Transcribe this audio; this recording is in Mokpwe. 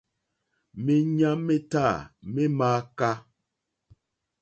Méɲá métâ mé !mááká.